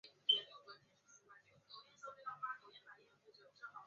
两名裁判在比赛期间会经常交换位置。